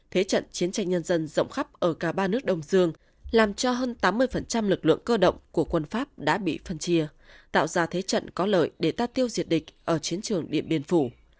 thế trận chiến tranh nhân dân rộng khắp ở cả ba nước đông dương làm cho hơn tám mươi lực lượng cơ động của quân pháp đã bị phân chia tạo ra thế trận có lợi để ta tiêu diệt địch ở chiến trường điện biên phủ